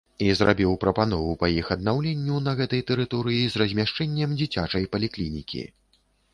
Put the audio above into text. І зрабіў прапанову па іх аднаўленню на гэтай тэрыторыі з размяшчэннем дзіцячай паліклінікі.